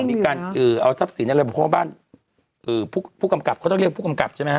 มีการเอาทรัพย์สินอะไรเพราะว่าบ้านผู้กำกับเขาต้องเรียกผู้กำกับใช่ไหมฮ